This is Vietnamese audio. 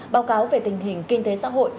báo cáo về tình hình kinh tế xã hội